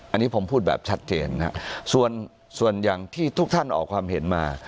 อันนี้ผมพูดแบบชัดเจนนะครับส่วนอย่างที่ทุกท่านออกความเห็นมา